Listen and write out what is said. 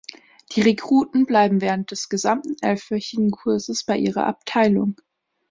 Die Rekruten bleiben während des gesamten elfwöchigen Kurses bei ihrer Abteilung.